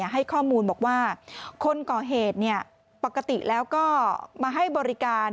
ให้ข้อมูลบอกว่าคนก่อเหตุปกติแล้วก็มาให้บริการ